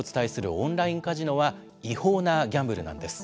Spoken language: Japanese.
オンラインカジノは違法なギャンブルなんです。